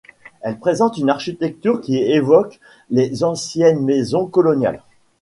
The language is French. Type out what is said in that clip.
Elle présente une architecture qui évoque les anciennes maisons coloniales.